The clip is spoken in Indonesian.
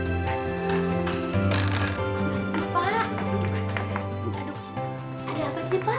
ada apa sih pak